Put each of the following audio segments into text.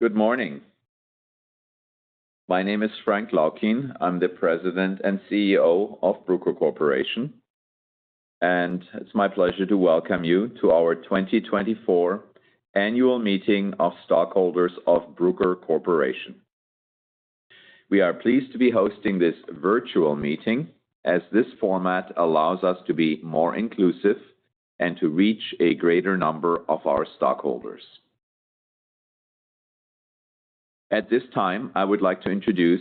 Good morning. My name is Frank Laukien. I'm the President and CEO of Bruker Corporation, and it's my pleasure to welcome you to our 2024 Annual Meeting of Stockholders of Bruker Corporation. We are pleased to be hosting this virtual meeting, as this format allows us to be more inclusive and to reach a greater number of our stockholders. At this time, I would like to introduce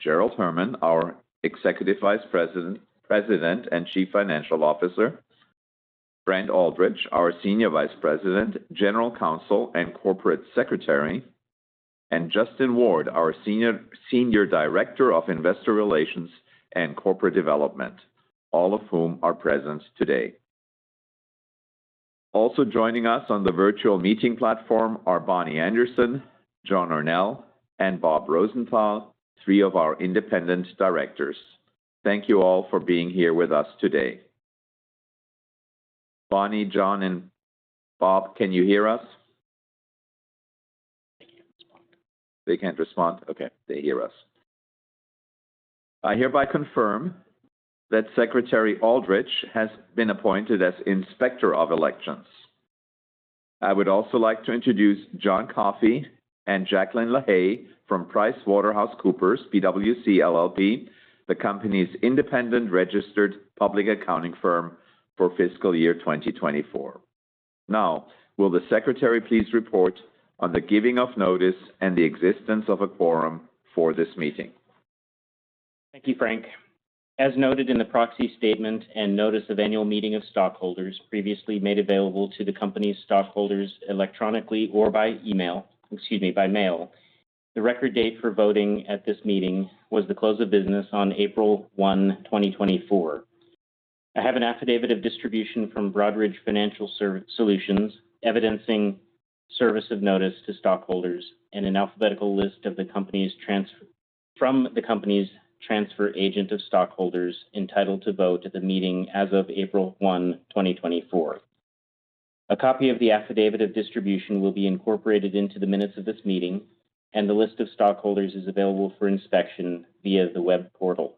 Gerald Herman, our Executive Vice President, President, and Chief Financial Officer, Brent Alldredge, our Senior Vice President, General Counsel, and Corporate Secretary, and Justin Ward, our Senior Director of Investor Relations and Corporate Development, all of whom are present today. Also joining us on the virtual meeting platform are Bonnie Anderson, John Ornell, and Bob Rosenthal, three of our independent directors. Thank you all for being here with us today. Bonnie, John, and Bob, can you hear us? They can't respond? Okay, they hear us. I hereby confirm that Secretary Alldredge has been appointed as Inspector of Elections. I would also like to introduce John Coffey and Jacqueline Leahy from PricewaterhouseCoopers LLP, the company's independent registered public accounting firm for fiscal year 2024. Now, will the secretary please report on the giving of notice and the existence of a quorum for this meeting? Thank you, Frank. As noted in the proxy statement and notice of annual meeting of stockholders, previously made available to the company's stockholders electronically or by email, excuse me, by mail, the record date for voting at this meeting was the close of business on April 1, 2024. I have an affidavit of distribution from Broadridge Financial Solutions, evidencing service of notice to stockholders and an alphabetical list of the company's stockholders from the company's transfer agent of stockholders entitled to vote at the meeting as of April 1, 2024. A copy of the affidavit of distribution will be incorporated into the minutes of this meeting, and the list of stockholders is available for inspection via the web portal.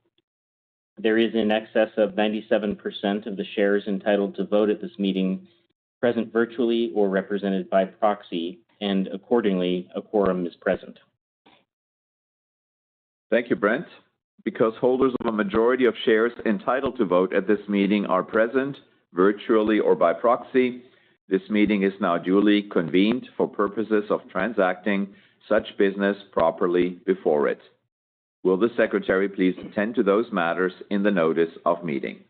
There is in excess of 97% of the shares entitled to vote at this meeting, present virtually or represented by proxy, and accordingly, a quorum is present. Thank you, Brent. Because holders of a majority of shares entitled to vote at this meeting are present, virtually or by proxy, this meeting is now duly convened for purposes of transacting such business properly before it. Will the secretary please attend to those matters in the notice of meeting?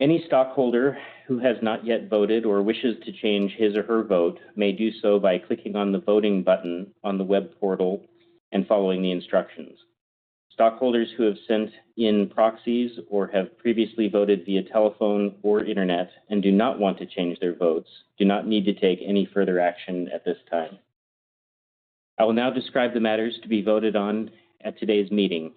Any stockholder who has not yet voted or wishes to change his or her vote may do so by clicking on the voting button on the web portal and following the instructions. Stockholders who have sent in proxies or have previously voted via telephone or internet and do not want to change their votes, do not need to take any further action at this time. I will now describe the matters to be voted on at today's meeting.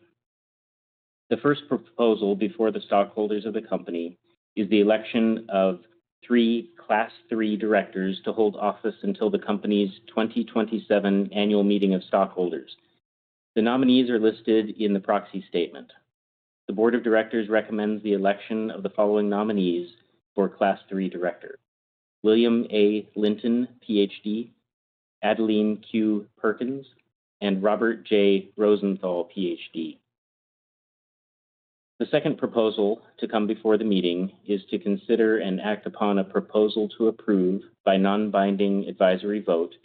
The first proposal before the stockholders of the company is the election of three Class III directors to hold office until the company's 2027 Annual Meeting of Stockholders. The nominees are listed in the proxy statement. The board of directors recommends the election of the following nominees for Class III director: William A. Linton, PhD, Adelene Q. Perkins, and Robert J. Rosenthal, PhD. The second proposal to come before the meeting is to consider and act upon a proposal to approve, by non-binding advisory vote,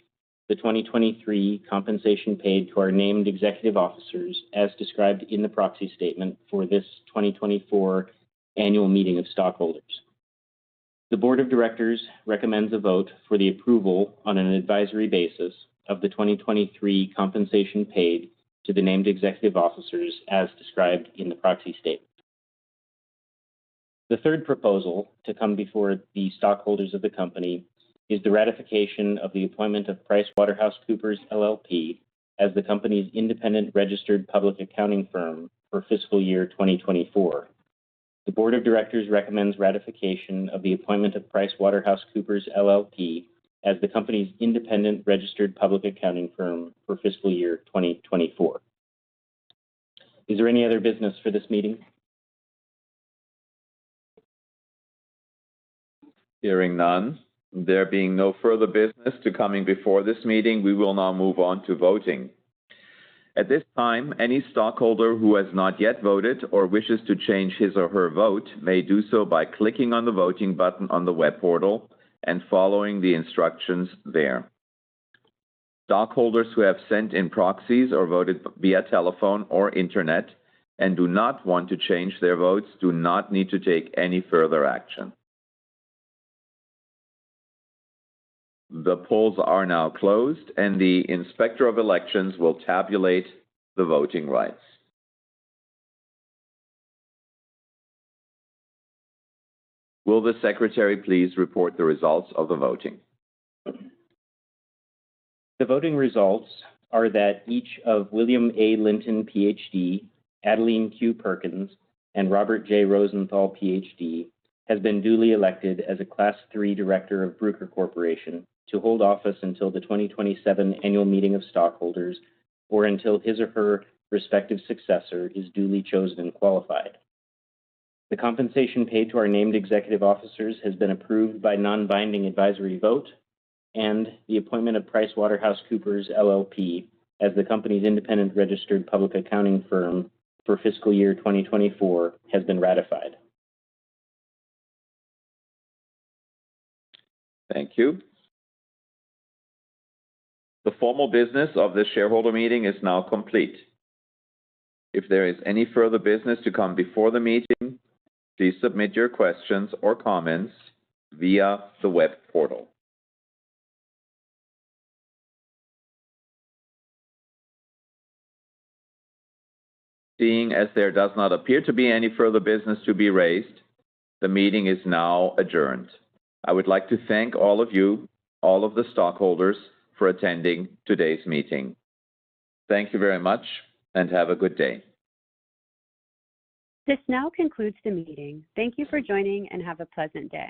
the 2023 compensation paid to our named executive officers, as described in the proxy statement for this 2024 Annual Meeting of Stockholders. The board of directors recommends a vote for the approval on an advisory basis of the 2023 compensation paid to the named executive officers, as described in the proxy statement. The third proposal to come before the stockholders of the company is the ratification of the appointment of PricewaterhouseCoopers LLP as the company's independent registered public accounting firm for fiscal year 2024. The board of directors recommends ratification of the appointment of PricewaterhouseCoopers LLP as the company's independent registered public accounting firm for fiscal year 2024. Is there any other business for this meeting? Hearing none, there being no further business to come before this meeting, we will now move on to voting. At this time, any stockholder who has not yet voted or wishes to change his or her vote may do so by clicking on the voting button on the web portal and following the instructions there. Stockholders who have sent in proxies or voted via telephone or internet and do not want to change their votes, do not need to take any further action. The polls are now closed, and the Inspector of Elections will tabulate the voting rights. Will the Secretary please report the results of the voting? The voting results are that each of William A. Linton, PhD, Adelene Q. Perkins, and Robert J. Rosenthal, PhD, has been duly elected as a Class III director of Bruker Corporation to hold office until the 2027 Annual Meeting of Stockholders or until his or her respective successor is duly chosen and qualified. The compensation paid to our named executive officers has been approved by non-binding advisory vote, and the appointment of PricewaterhouseCoopers LLP as the company's independent registered public accounting firm for fiscal year 2024 has been ratified. Thank you. The formal business of this shareholder meeting is now complete. If there is any further business to come before the meeting, please submit your questions or comments via the web portal. Seeing as there does not appear to be any further business to be raised, the meeting is now adjourned. I would like to thank all of you, all of the stockholders, for attending today's meeting. Thank you very much, and have a good day. This now concludes the meeting. Thank you for joining, and have a pleasant day.